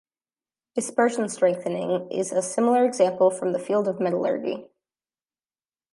Dispersion strengthening is a similar example from the field of metallurgy.